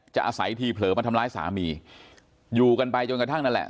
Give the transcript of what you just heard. อาศัยทีเผลอมาทำร้ายสามีอยู่กันไปจนกระทั่งนั่นแหละ